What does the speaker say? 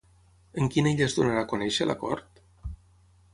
En quina illa es donarà a conèixer l'acord?